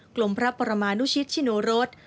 กลมพระประมาณุชิฯชินูรส